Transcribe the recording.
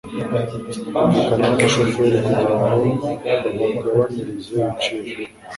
kumvikana n'umushoferi kugira ngo babagabanyirize ibiciro.